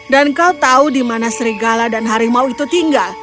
dan kau tahu dimana serigala dan harimau itu tinggal